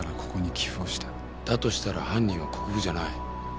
だとしたら犯人は国府じゃない。